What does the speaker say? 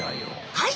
はい。